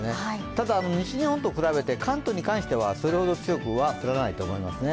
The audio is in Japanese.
ただ、西日本と比べて、関東に関しては、それほど強くは降らないと思いますね。